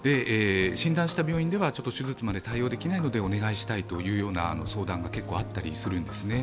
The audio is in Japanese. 診断した病院では手術まで対応できないのでお願いしたいというような相談が結構あったりするんですね。